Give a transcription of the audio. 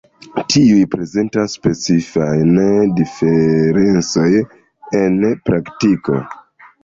Tiuj prezentas specifajn diferencojn en praktiko.